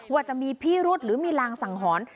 ว่าจะมีพิรุษหรือมีรางสังหรณ์